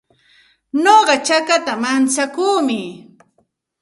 Nuqa chakata mantsakuumi.